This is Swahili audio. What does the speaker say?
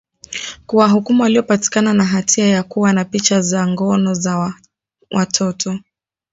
kuwahukumu waliopatikana na hatia ya kuwa na picha za ngono za watoto